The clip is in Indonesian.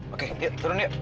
oke yuk turun yuk